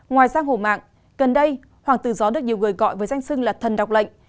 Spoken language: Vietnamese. ngoài giang hổ mạng gần đây hoàng tử gió được nhiều người gọi với danh sưng là thần đọc lệnh